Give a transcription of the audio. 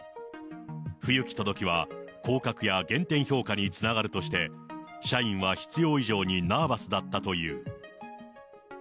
不行き届きは降格や減点評価につながるとして、社員は必要以上にナーバスだったという。